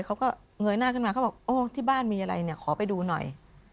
เค้าก็เหงื่อนาขึ้นมาขอไปดูหน่อย